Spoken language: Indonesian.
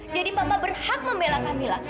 jadi mama berhak membela kamila